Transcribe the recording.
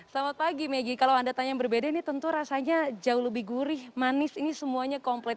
selamat pagi maggie kalau anda tanya yang berbeda ini tentu rasanya jauh lebih gurih manis ini semuanya komplit